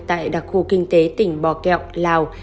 tại đặc khu kinh tế tỉnh bò kẹo lào